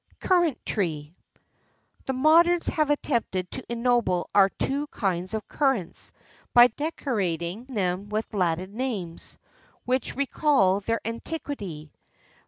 CURRANT TREE. The moderns have attempted to ennoble our two kinds of currants by decorating them with Latin names, which recall their antiquity.